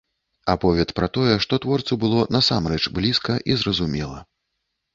Аповед пра тое, што творцу было насамрэч блізка й зразумела.